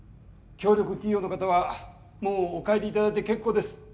協力企業の方はもうお帰りいただいて結構です。